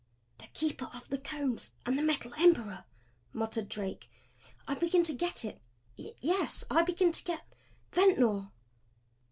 "The Keeper of the Cones and the Metal Emperor!" muttered Drake. "I begin to get it yes I begin to get Ventnor!"